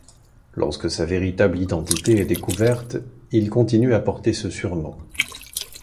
Lorsque sa véritable identité est découverte, il continue à porter ce surnom.